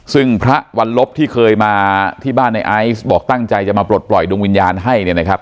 ซึ่งพระวันลบที่เคยมาที่บ้านในไอซ์บอกตั้งใจจะมาปลดปล่อยดวงวิญญาณให้เนี่ยนะครับ